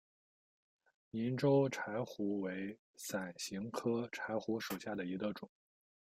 银州柴胡为伞形科柴胡属下的一个种。